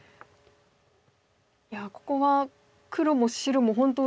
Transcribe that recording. いやここは黒も白も本当に。